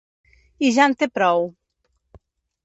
I ja en té prou.